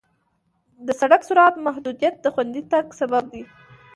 د سړک سرعت محدودیت د خوندي تګ سبب دی.